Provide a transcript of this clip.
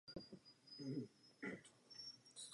V oblasti se nacházejí dlouhé písčité pláže.